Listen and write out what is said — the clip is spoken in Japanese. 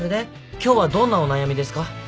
今日はどんなお悩みですか？